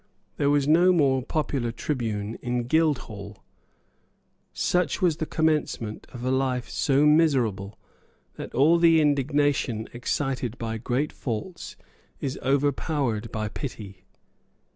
There was no more popular tribune in Guildhall. Such was the commencement of a life so miserable that all the indignation excited by great faults is overpowered by pity.